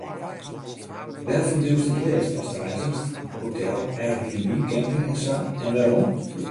Wêr ferbliuwst it leafst ast reizgest, hotel, airbnb, camping, en sa en wêrom?